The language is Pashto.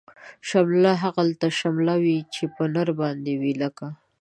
شمله هغلته شمله وی، چی په نر باندی وی لکه